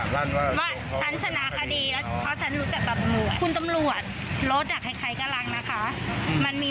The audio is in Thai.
แล้วหนูกำลังจะเซ็นแต่แค่หนูถามคำถามนี้